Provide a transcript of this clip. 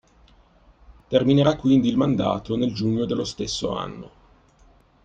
Terminerà quindi il mandato nel giugno dello stesso anno.